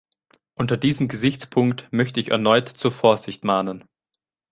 Unter diesem Gesichtspunkt möchte ich erneut zur Vorsicht mahnen.